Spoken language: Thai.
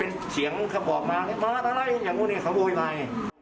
เป็นเสียงเขาบอกมามาตาไล่อย่างนู้นเนี่ยเขาบูยใหม่